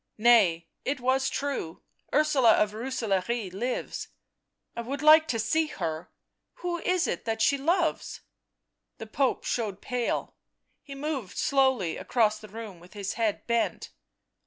" Nay, it was true, Ursula of Roosalaare lives." " I would like to see her — who is it that she loves 1" The Pope showed pale ; he moved slowly across the room with his head bent.